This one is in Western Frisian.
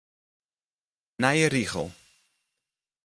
Nije rigel.